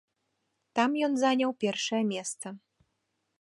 Там ён заняў першае месца.